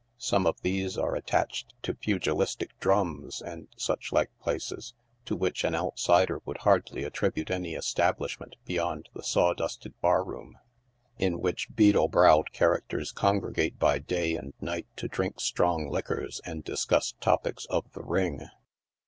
Some of these are attached to pugilistic " drums," and such like places, to which an outsider would hardly attribute any establishment beyond the saw dusted bar room, in which beetle browed characters congregate by day and night to drink strong li quors and discuss topics of the " ring."